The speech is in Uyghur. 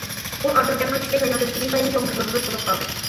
بۇ ئادىلجاننىڭ كىشىلىك ھاياتىدىكى ئىنتايىن چوڭ بىر بۇرۇلۇش بولۇپ قالدى.